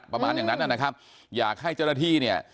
ประมาณอย่างนั้นนะครับอยากให้เจ้าหน้าที่เนี่ย